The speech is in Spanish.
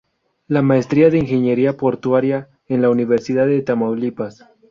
La Maestría de Ingeniería Portuaria, en la Universidad de Tamaulipas.